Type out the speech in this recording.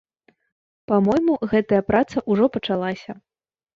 Па-мойму, гэтая праца ўжо пачалася.